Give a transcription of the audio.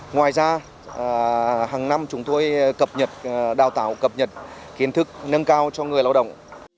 ngoài ra hằng năm chúng tôi đào tạo cập nhật kiến thức nâng cao cho người lao động